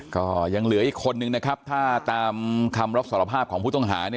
ก็ยังเหลืออีกคนนึงนะครับถ้าตามคำรับสารภาพของผู้ต้องหาเนี่ย